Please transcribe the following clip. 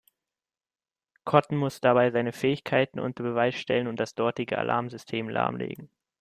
Cotton muss dabei seine Fähigkeiten unter Beweis stellen und das dortige Alarmsystem lahmlegen.